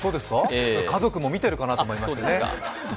家族も見ているかなと思いましてね。